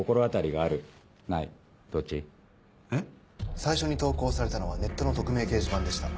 最初に投稿されたのはネットの匿名掲示板でした。